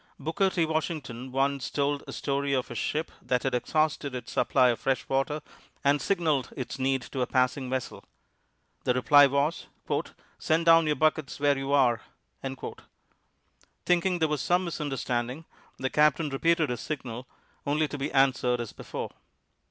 Booker T. Washington once told a story of a ship that had exhausted its supply of fresh water and signaled its need to a passing vessel. The reply was, "Send down your buckets where you are." Thinking there was some misunderstanding, the captain repeated his signal, only to be answered as before.